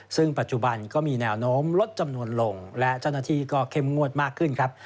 ซึ่งปัจจุบันก็มีแนวโน้มลดจำนวนลงและเจ้าหน้าที่ก็เข้มงวดมากขึ้นครับ